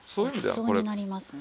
ごちそうになりますね。